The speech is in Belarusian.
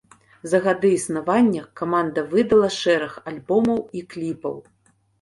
За гады існавання каманда выдала шэраг альбомаў і кліпаў.